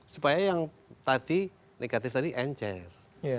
supaya yang tadi negatif tadi encer